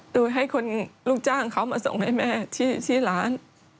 โดยให้คนลูกจ้างเขามาส่งให้แม่ที่ร้าน